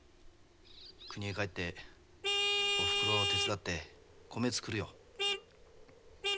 くにへ帰っておふくろを手伝って米作るよ。